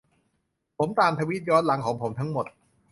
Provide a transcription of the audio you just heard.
ตามทวีตย้อนหลังของผมทั้งหมด